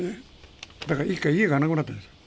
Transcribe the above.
だから一回、家がなくなったんですよ。